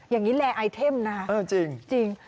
อย่างนี้แลไอเทมนะคะเออจริง